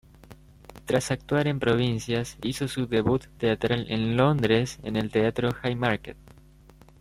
Tras actuar en provincias, hizo su debut teatral en Londres en el Teatro Haymarket.